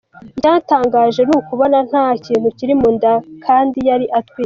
Icyantangaje ni ukubona nta kintu kiri mu nda ye kandi yari atwite.